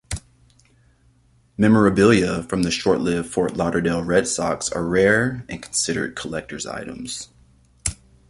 Memorabilia from the short-lived Fort Lauderdale Red Sox are rare and considered collectors' items.